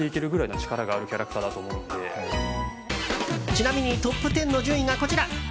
ちなみにトップ１０の順位がこちら。